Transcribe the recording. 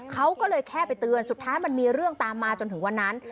เขาก็เลยแค่ไปเตือนสุดท้ายมันมีเรื่องตามมาจนถึงวันนั้น